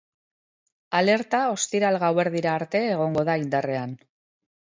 Alerta ostiral gauerdira arte egongo da indarrean.